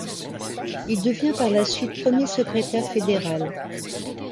Il devient par la suite, premier secrétaire fédéral.